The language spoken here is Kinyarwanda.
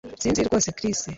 Sinzi rwose Chris